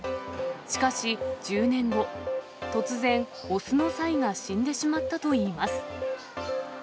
しかし１０年後、突然、雄のサイが死んでしまったといいます。